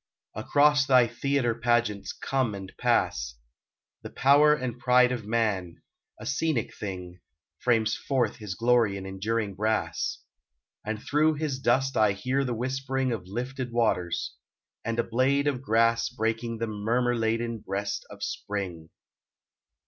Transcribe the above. Across thy theatre pageants come and pass : The power and pride of man, a scenic thing, Frames forth his glory in enduring brass ; And through his dust I hear the whispering Of lifted waters, and a blade of grass Breaking the murmur laden breast of Spring.